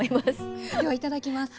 ではいただきます。